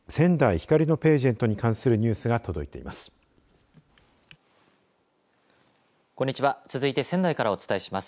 光のページェントに関するニュースが届いています。